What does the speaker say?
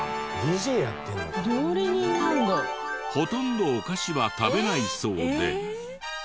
ほとんどお菓子は食べないそうで。